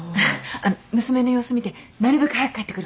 あっ娘の様子見てなるべく早く帰ってくるから。